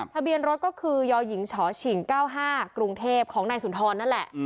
ทะเบียนรถก็คือยหญิงชฉิง๙๕กรุงเทพของนายสุนทรนั่นแหละ